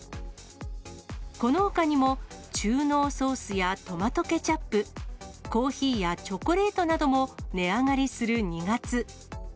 このほかにも、中濃ソースやトマトケチャップ、コーヒーやチョコレートなども値上がりする２月。